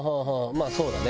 まあそうだね。